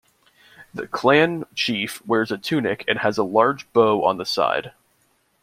The clan chief wears a tunic and has a large bow on the side.